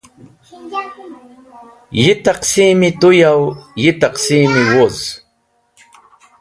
Yi taqsimi tu yaw, yi taqsimi wuz.